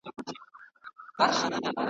زه رنګین لکه پانوس یم زه د شمعی پیره دار یم .